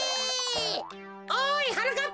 おいはなかっ